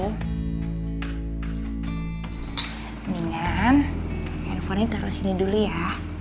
ini kan handphonenya taruh sini dulu ya